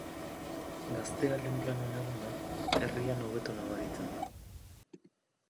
Gaztea lehen planoan egonda, herrian hobeto nabaritzen da.